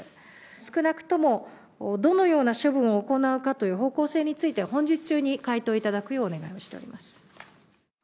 少なくとも、どのような処分を行うかという方向性については、本日中に回答いただくよう、お願いをしております。